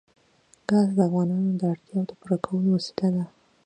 ګاز د افغانانو د اړتیاوو د پوره کولو وسیله ده.